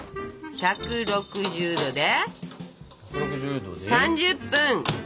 １６０℃で３０分。